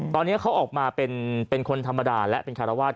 ตอนนี้เขาออกมาเป็นคนธรรมดาและเป็นคารวาส